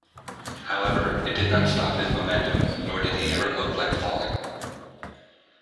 However, it did not stop his momentum, nor did he ever look like falling.